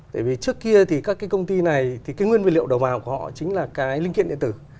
tại vì trước kia thì các công ty này nguyên viên liệu đầu vào của họ chính là cái linh kiện điện tử